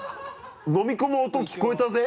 飲み込む音聞こえたぜ？